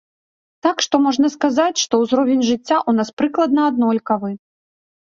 Так што можна сказаць, што ўзровень жыцця ў нас прыкладна аднолькавы.